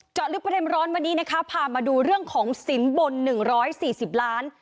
เจาะลึกประเด็นร้อนวันนี้นะคะพามาดูเรื่องของสินบนหนึ่งร้อยสี่สิบล้าน